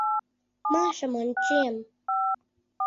Машам ончем.